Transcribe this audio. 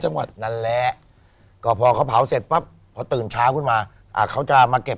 จังหวัดนั่นแหละก็พอเขาเผาเสร็จปั๊บพอตื่นเช้าขึ้นมาเขาจะมาเก็บ